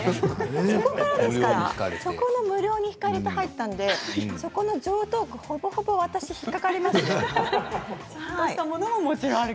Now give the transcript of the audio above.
そこからですからそこの無料にひかれて入ったのでそこの常とう句ほぼほぼ私、引っ掛かります。